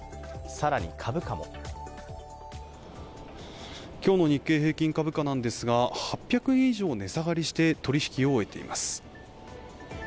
更に株価も今日の日経平均株価なんですが、８００円以上値下がりして、取引を終えています。